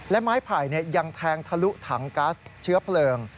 และไม้ไผ่ยังแทงทะลุถังกัสเชื้อเพลิง